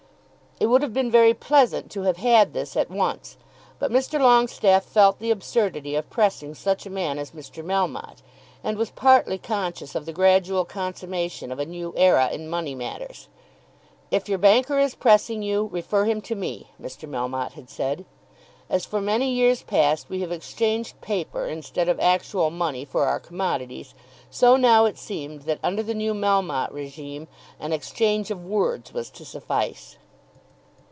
It would have been very pleasant to have had this at once, but Mr. Longestaffe felt the absurdity of pressing such a man as Mr. Melmotte, and was partly conscious of the gradual consummation of a new æra in money matters. "If your banker is pressing you, refer him to me," Mr. Melmotte had said. As for many years past we have exchanged paper instead of actual money for our commodities, so now it seemed that, under the new Melmotte régime, an exchange of words was to suffice.